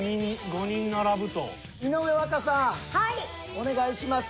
お願いします。